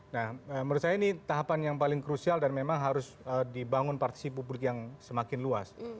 nah menurut saya ini tahapan yang paling krusial dan memang harus dibangun partisi publik yang semakin luas